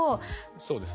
そうですね